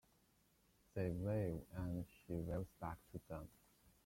They wave and she waves back to them.